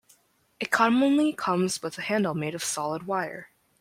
It commonly comes with a handle made of solid wire.